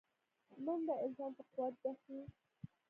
منډه انسان ته قوت بښي